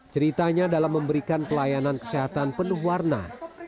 ceritanya dalam memberikan pelayanan kesehatan penuh warna